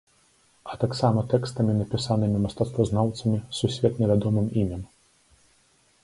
А таксама тэкстамі, напісанымі мастацтвазнаўцамі з сусветна вядомым імем.